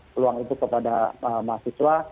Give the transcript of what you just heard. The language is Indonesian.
peluang itu kepada mahasiswa